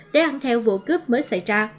để ăn theo vụ cướp mới xảy ra